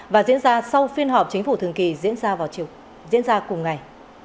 và diễn ra sau phiên họp chính phủ thường kỳ diễn ra cùng ngày